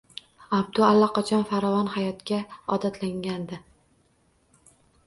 Abdu allaqachon farovon hayotga odatlangandi